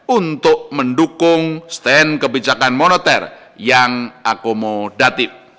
untuk mendukung stand kebijakan moneter yang akomodatif